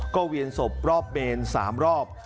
ก็เวียนศพรอบเมนสามรอบ